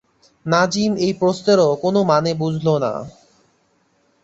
নাজিম এই প্রশ্নেরও কোনো মানে বুঝল না।